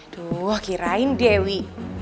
aduh kirain dewi